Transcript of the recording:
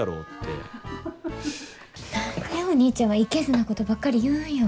何でお兄ちゃんはいけずなことばっかり言うんよ。